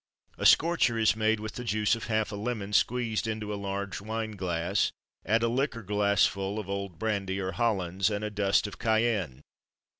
A Scorcher is made with the juice of half a lemon squeezed into a large wine glass; add a liqueur glassful of old brandy, or Hollands, and a dust of cayenne.